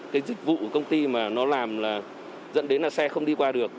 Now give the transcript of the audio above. cái dịch vụ của công ty mà nó làm là dẫn đến là xe không đi qua được